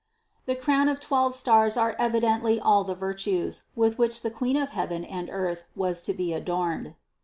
99. The crown of twelve stars are evidently all the virtues, with which that Queen of heaven and earth was to be adorned.